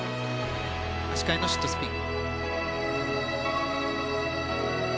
足換えのシットスピン。